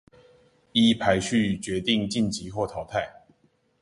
依排序決定晉級或淘汰